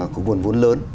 của nguồn vốn lớn